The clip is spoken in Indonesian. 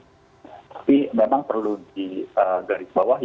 tapi memang perlu di garis bawah